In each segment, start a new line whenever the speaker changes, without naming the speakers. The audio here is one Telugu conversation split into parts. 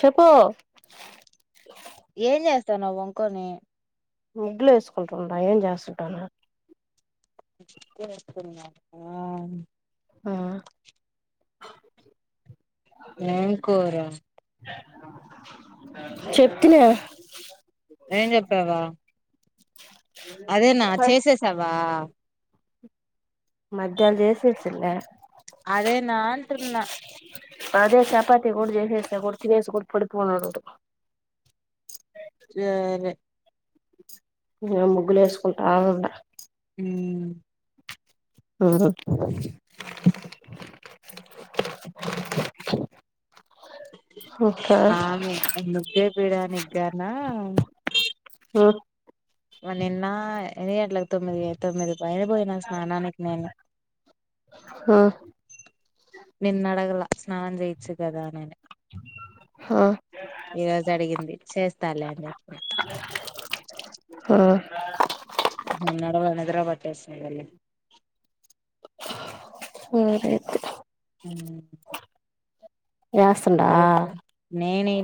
చెెప్పు
ఏం చేస్తావ్ నువ్వు వొంకొని
ముడ్లే వేసుకుంటున్నా ఏం చేస్తుంటాను
[inaudible]
ఆ ఆ
ఏం కూర
చెప్తిన
ఏం చెప్పావా అదేనా చేసేసావా
మధ్యాహ్నం చేసేసిన్లే
అదేనా అంటున్న
అదే చపాతి కూడా చేసేస్తే కూడ తినేసి కూడా పడిపోయినాడు
చరే
ఆ ముగ్గులు వేసుకుంటా ఉన్నా
మ్
ఆ హ
ఆమె ముద్దే పీడనికి కనా
ఆ
వ నిన్న ఎన్ని గంటలకు తొమ్మిది తొమ్మిది పైన పోయినా స్నానానికి నేను నిన్ను అడగలే స్నానం చేయచ్చు కదా నేను
హా
ఈ రోజు అడిగింది చేస్తా లేే అని చెప్పిన నడుమ నిదర పట్టేస్తుంది మళ్ళీ
హ మ్ [inaudible]
మ్
వాస్తుందా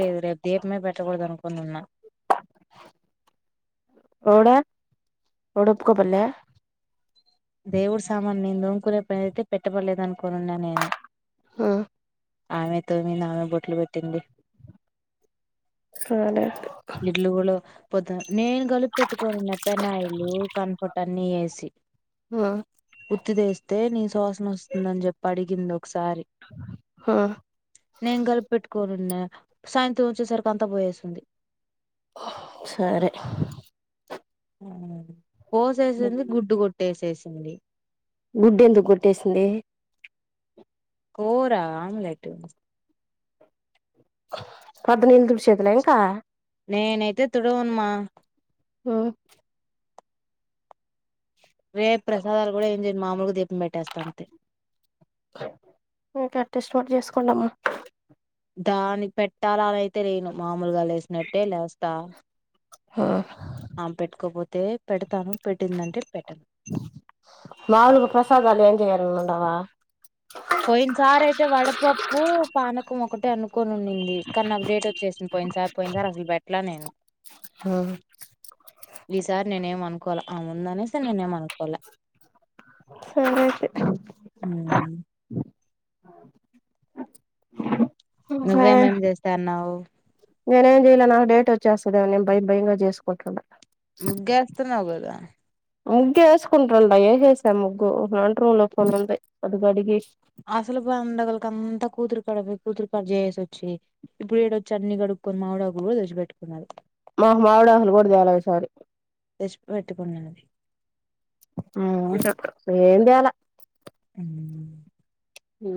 లేదు రేపు దీపమే పెట్టకూడదు అనుకుని ఉన్నా
ఎవడు ఎవడు ఒప్పుకో పనలే
దేవుడు సామాన్లులేందో కునే పని అయితే పెట్టబడలేదు అనుకొని ఉన్నా నేను
ఆ
ఆమె తోమింది ఆమె బొట్లు పెట్టింది
[inaudible]
పొద్ద నేను కలిపి పెట్టుకోని ఉన్న పెనాయిలు కంఫర్ట్ అన్నీ యేసి
ఆ
పొట్టు తెస్తే నీసు వాసన వస్తుందని చెప్పి అడిగింది ఒ ఒకసారి నేను కలిపెట్టుకోని ఉన్న సాయంత్రం వచ్చేసరికి అంత పొయ్యేసుంది
సరే
హ్ పోసేసింది. గుడ్డు కొట్టేసేసి ఏమండి
గుడ్డు ఎందుకు కొట్టేసింది.
కురా ఆమ్లెట్
పోద్దునా ఇళ్ళు తుడిచెదిలే ఇంకా
నేనయితే తుడవనుమా
ఒకే
రేపు ప్రసాదాలు కూడా ఏం చేయను మామూలుగా దీపం పెట్టేస్తా అంతే
ఒకే అట్లా ఇష్టం ఉంటే చేసుకోండమ్మా
దానికి పెట్టాలయ్యితే లేను మామూలుగా లేసినట్టే లేస్తా ఆ పెట్టుకోపోతే అయితే పెడతాను పెట్టిందంటే పెట్టను
మాములుగా ప్రసాదాలు ఏం చేయరు అంటావా
పోయిన సార్ అయితే వడపప్పు పానకం ఒకటే అను కొని ఉంది. కానీ నాకు డేట్ వోచ్చెసింది. పోయిన సారీ పోయిన సారీ అసలు బెట్ ట్లా నేను ఈ సారీ నేనేం అనుకు అనుకోల ఆ ముంద అనేసి నేనేం అనుకోల
సరే అయితే
ఉమ్.
ఆ
నువ్వేమేం చేస్తాన్నావవు.
నేనేం చేయలే నాకు డేట్ వచ్చేస్తది. నేను భయం భయంగా చేసుకుంటుండ
ముగ్గేస్త న్నవు గాదా ఆ
ముగ్గు ఏసుకుంట్రండా ఏసేసినా ముగ్గు రెండు రూంలోపన ఉంది. అటు గాడిగి
అసలు పండగలకి అంతా కూతురు కడుపి కూతురు కడు చేసోచ్చి ఇప్పుడు ఏడొచ్చి అన్ని కడుక్కొని మామిడకు కూడా తెచ్చి పెట్టుకున్నది.
మాకు మావిడకులు కూడా చాలవు విసారీ.
తెచ్చి పెట్టుకున్నది
ఏం చెయ్యాలా హ్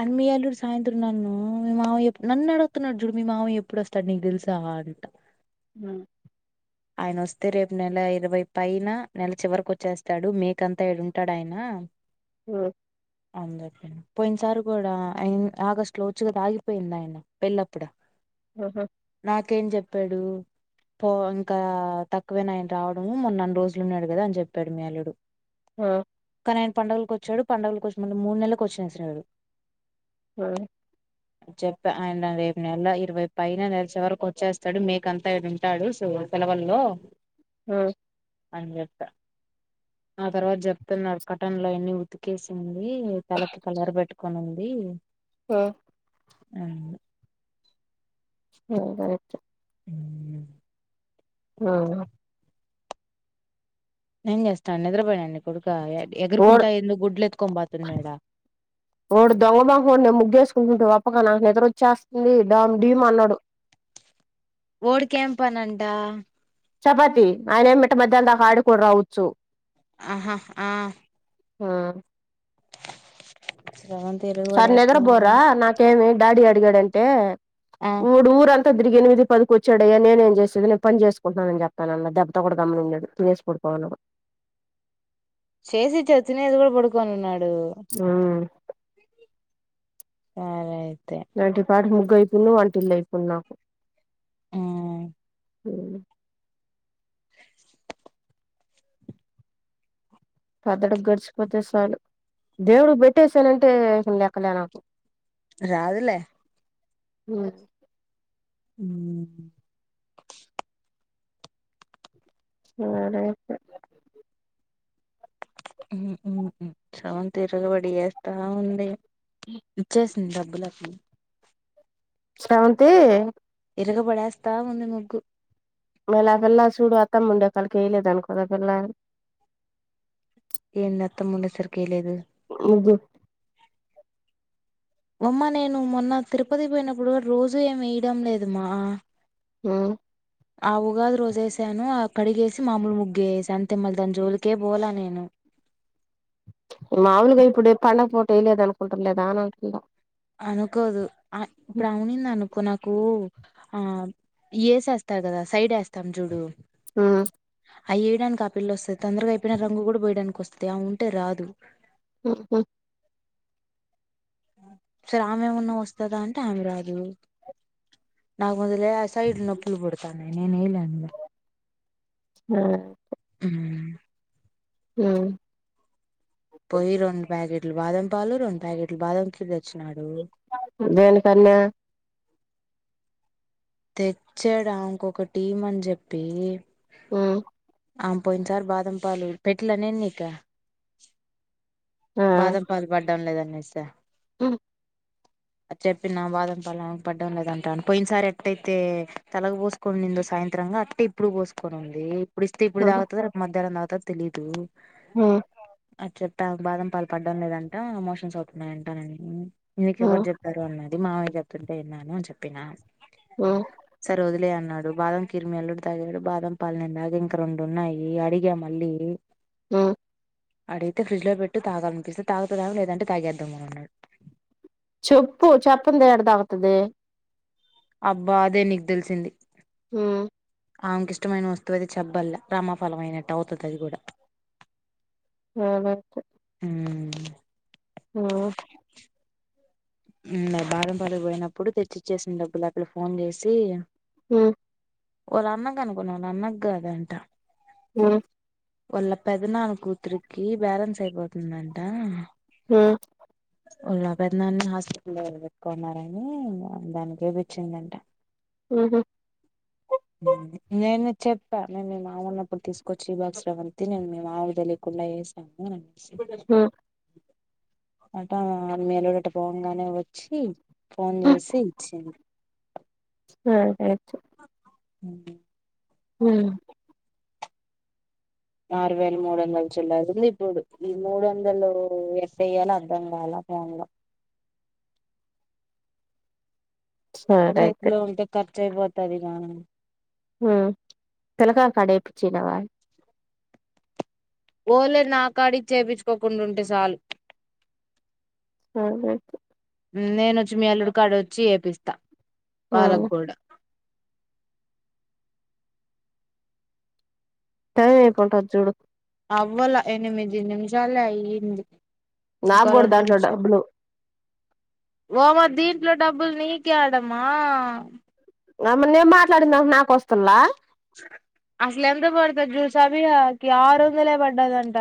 అండ్ మీ అల్లుడు సాయంత్రం నన్ను మీ మామ ఏప్పు నన్ను అడుగుతున్నాడు. చూడు మీ మామయ్యా ఎప్పుడు వోస్తాడు. నీకు దేలుసా అంట
హా
ఆయన వస్తే రేపు నెల ఇరవై పైన నెల చివరికు వోచ్చేస్తాడు. మేకంతా ఈడుంటాడు ఆయన
హ
అందుకేనా పోయిన సార్ కూడా ఆగస్టు లో వోచ్చి కదా ఆగిపోయింది. ఆయన పెళ్ళప్పుడ
ఆహా
ఇంకేం చెప్పాడు పోన్ ఇంకా తక్కువేనా ఆయన రావడం మొన్న అన్ని రోజులున్నాడు. గాదా అని చెప్పాడు మీ అల్లుడు
ఆ
కానీ ఆయన పండుగలకు వోచ్చడు పండుగలకి వోచ్చ మళ్ళ మూడు నెలలకుకి వచ్చినడు.
ఆ
చెప్ప ఆయన రేపు నెల ఇరవై పైన నిలిచే వరకు వోచ్చేస్తాడు. మేకంతా ఆయన ఉంటాడు సో పిలవల్లో
మ్మ్
అని చెప్పా ఆ తర్వాత చెప్తున్నారు కటన్లు అయన్ని ఉతికేసింది. తలకి కలర్ పెట్టుకొని ఉంది
మ్మ్
అవును
అవునా అవును
నేన్ చేస్తా నిద్రపోయాడ నీ కొడుకు
వాడు
పోతున్నాడా
వాడు దొంగ [unintelligible] ముగ్గేసుకుంటుంటావా ప్పగా నాకు నిదర వచ్చేస్తుంది డామ్ డీమ్ అన్నాడు
ఓడు కేంపనంట
చపాతి ఆయనేం మిట్ట మధ్యానం దాకా ఆడుకొని రావచ్చు
ఆహా ఆ
ఆ
స్రవంతి
సార్ నిద్ర
ఇరగబడేస్తావా
బోరా నాకేమి డాడి అ అడిగాడంటే
ఆ
ఊరు ఊరంత తిరిగి ఎనిమిది, పదికి వచ్చాడయ్యా నేను ఏం చేసేది. నేను పని చేసుకుంటున్నానని చెప్తాన అన్న దెబ్బతో కూడా గమ్మనున్నాడు తినేసి పడుకో పడుకున్నాడు
చేసి ఇచ్చాను తినేసి కూడా పడుకొని ఉన్నాడు
మ్మ్
సరే అయి
నాంటీ పాడును కైపును ఆంటీ లేకున్నా
మ్
మ్మ్ పెద్దడు గడిచిపోతే చాలు దేవుడు పెట్టేసానంటే లెక్కలే నాకు
రాదులే
వునా
మ్మ్
సరే అయితే
మ్మ్ మ్మ్ మ్మ్ తిరగబడి చేత్తా ఉంది అ ఇచ్చేసింది డబ్బులు అన్ని
స్రవంతి
తిరగబడేస్తా ఉంది ముగ్గు
మల్లా ఆ పిల్లా చూడు అత్తమ్ము ఉండే కడికి ఎయిలేదు అనుకోదా ఆ పిల్ల
ఏంది అత్తమ్మ ఉండేసరికి ఏంలేదు
ముగ్గు
అమ్మ, నేను మొన్న తిరుపతి పోయినప్పుడు కూడా రోజూ ఏమి వేయడం లేదమ్మా
మ్మ్
ఆ ఉగాది రోజేసాను ఆ కడిగేసి మామూలు ముగ్గేయేసి అంతే మా దాని జోలికే పోలే నేను
మాములుగా ఇప్పుడే పండగా పూట ఎయ్యలేదు అనుకుంటలేదా అని అంటున్నా
అనుకోదు ఆ ఇప్పుడువునింద నాకు ఆ వేసేస్తారు కదా సైడ్ వేస్తాం చూడు
ఉమ్
అయ్యేడానికి ఆపిల్లి వస్తుంది తొందరగా అయిపోయి రంగు కూడా పోయడానికి వస్తంది తే ఉంటే రాదు
ఆహా
సరే ఆమె ఏమన్నా వస్తాదా అంటే ఆమె రాదు నాకు ముందలే ఆ సైడ్ నొప్పులు పుడుతున్నాయి నేను [unintelligible]
ఆమ్
పోయి రెండు పాకెట్ బాదం పాలు రెండు ప్యాకెట్లు బాదం ఖిరూ తెచ్చినాడు
దేనికన్నా
తెచ్చాడా ఇంకొక టీమ్ అని చెప్పి
హ
ఆ పోయింది సార్ బాదంపలు పెట్ల నేను నీక
ఆ
బాదం పల్ బ ఇడం లేదు అనేసి
[unintelligible]
అ చెప్పి నా బాదం పాల పడ్డం లేదంటా అను పోయినసారి అట్ట అయితే తలగ పోసుకొని నిందో సాయంత్రంగా అట్టే ఇప్పుడు పోసుకొని ఉంది ఇప్పుడు ఇస్తే ఇప్పుడు తాగుతుంది లేక పోతే రేపు మధ్యా్యం అంత తెలీదు
హ
అ చెప్పా బాదం పాలు పడ్డం లేదంటా మోషన్స్ అవుతున్నాయి అంటానని మీీకెవరు చెప్పారు అన్నారు అది మామాయ చెపుతుంటే విన్నాను అని చెప్పిన
ఉమ్
సరే వదిలే అన్నాడు బాద కిమి అల్లుడు తగడు బాద పాలు నేను తాగ ఇంకా రెండు ఉన్నాయి అడిగా మళ్ళీ
ఆ
అడితే ఫ్రిడ్జ్ లో పెట్టు తాగానిపిస్తే తాగుతున్నాం లేదంటే తాగేద్దామనిన్నాడు
చెప్పు చెప్పుంత ఎడదగుతుది
అబ్బా అదే నీకు తెలిసింది
ఉ
అంకిష్టమైన వస్తువు అది చెబ్బల్ల రమాఫలంమయిైనట్టు అవుతుంది అది కూడా
అ అ
హ
ఆ
మరి బాదం పాలపోయినప్పుడు తెచ్చిచ్చేసిన డబ్బులు అక్కడ ఫోన్ చేసి
హ
వాళ్ళ అన్నగ అనుకున్నా వాళ్ళ అన్న కి కాదంట
ఆ
వాళ్ళ [unintelligible] నాలుగు కూతురుకి బాలన్స్ అయిపోతుందంట.
ఊ
ఉన్న పెదనాన్న మస్త్ పెట్టుకున్నారని దానికే పచ్చిందంట
ఉహ
నేను చెప్పా మేము మీ మామిన్నప్పుడు తీసుకొచ్చి ఈ బాక్స్లవంతి నేను మీ మామిలు తెలియకుండా ఇస్తాను. సి
ఉమ్
అట్టా మేలోడట్ట పో తెంగానే వచ్చి ఫోన్ చేసి ఇచ్చింది.
అయితే
హ [unintelligible]
ఊ
ఆరు వేల మూడు వందలు చిల్లర ఇప్పుడు ఈ మూడు వందలు ఎట్ల వెయాలో అర్ధం కాలా ఫోన్ లో.
సరే అయితే
చేతిలో ఉంటే ఖర్చు అయిపోత తవిగానం
ఉ తెలగా కడపుచ్చీ నవాల్
ఓల నాకాడి చేపించుకోకుండాంటే చాలు
ఆ హు
నేను వచ్చి మీ అల్లుడి కాడ వచ్చి చేపిస్తా.
ఉమ్
పాలగగోడ
సైయిపోంట జూడు
అవ్వల ఎనిమిది నిమిషాలే అయ్యంది.
నాకు కూడా దాంట్లో డబ్బులు
ఓమా దీంట్లో డబ్బులు నీకే ఆడమా
అమ నేం మాట్లాడిందాం నాకు వస్తులా
అసలు ఎంత పడుతుంది జ్యూస్ అవికి ఆరు వందలే పడ్డాదంట.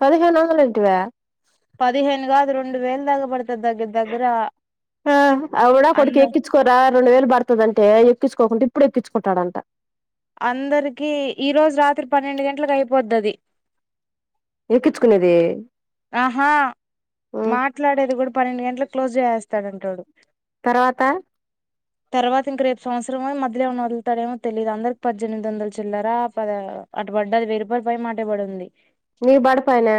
పదిహేను వందలు అంటివ
రె వల్దగ పడు
ఆ అవుడా
అంద
కొడ్కి ఎక్కిచ్చకోరా రెండు వేలు బర్తదంటే ఎక్కిచ్చకోకుంట. ఇప్పుడు ఎక్కించుకుంటాడంట
అందరికీ ఈరోజు రాత్రి పన్నెండు గంటలకు అయిపోద్దది.
ఎక్కించుకునేది.
ఆహా
ఉమ్
మాట్లాడేది కూడా పన్నెండు గంటలకు క్లోజ్ చేేస్తాడుంటాడు
తర్వాత
తర్వాత ఇంక రేపు సంవత్సరం మధ్యలో ఏమో వదులుతాడేమో తెలియదు. అందరికి పద్దెనిమిది వందలు చిల్లరా అటు పడ్డ అది వెయ్యి రూపాయలు పై మాటే పడి ఉంది.
నీ పడతాయినే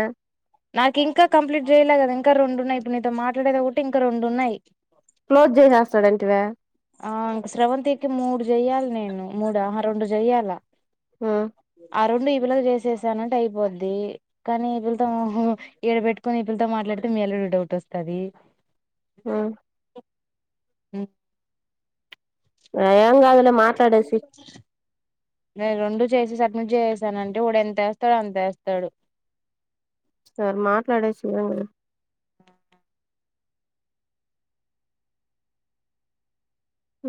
నాకు ఇంకా కంప్లీట్ చేయలే కదా ఇంకా రెండున్నాయి. ఇప్పుడు నీతో మాట్లాడేదా ఒకటి ఇంకా రెండు ఉన్నాయి.
క్లోజ్ చేసేస్తా తాడు అంటివ
ఆ ఇంక శ్రవంతి కి మూడు చెయ్యాలి నేను మూడు ఆహా రెండు చెయ్యాలా
ఉమ్
ఆ రెండు పిల్లలు చేసేసానంటే అయిపోద్ది కానీ పిలతం ఇడబెట్టుకొని ఇపులతో మాట్లాడితే మీ అల్లుడికి డౌట్ వస్తాది
ఆ
హ
ఏం కాదులే మాట్లాడేసి
నేను రెండు చేసి సబ్మిట్ చేసానంటే వాడు ఎంత వేస్తాడు అంత వేస్తాడు
సరే మాట్లాడేసి రా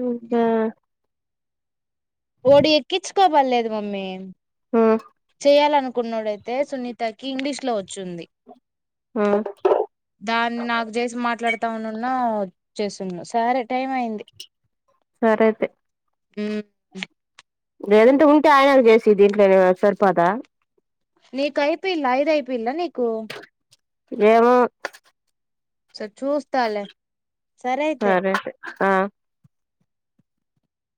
ఉ సరే
ఓడి ఎక్కించుకోమనలేదు మమ్మీ
ఉమ్
చెయాలనుకున్నాడయితే సునీతకి ఇంగ్లీష్ క్లోజ
ఉమ్
దాన్ని నాకు చేసి మాట్లాడు టౌనున్నా వచ్చేసు సరే టైం అయింది
సరే అయితే
[unintelligible] [unintelligible]
లేదంటే ఉంటే ఆయన చేసి దీంట్లోనే సరిపోదా
నీకు అయిపోయిందా ఐదు అయిపోయిందా నీకు
ఏేముో
స చూస్తాలే సరే అయితే